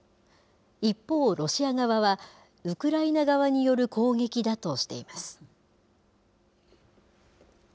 一方、ロシア側は、ウクライナ側による攻撃だとしています。